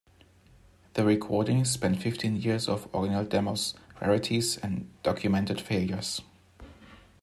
The recordings span fifteen years of original demos, rarities and documented failures.